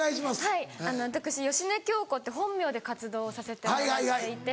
はい私「芳根京子」って本名で活動をさせてもらっていて。